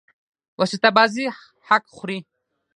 واسطه بازي حق خوري.